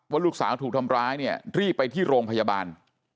ลูกสาวถูกทำร้ายเนี่ยรีบไปที่โรงพยาบาล